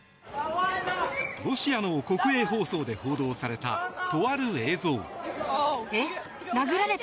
ロシアの国営放送で報道されたとある映像。